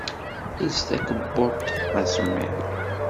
Els takebbuḍt, d asemmiḍ!